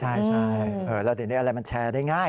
ใช่แล้วเดี๋ยวนี้อะไรมันแชร์ได้ง่าย